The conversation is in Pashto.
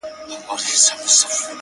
ژوند سرینده نه ده ـ چي بیا یې وږغوم ـ